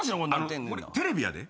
これテレビやで？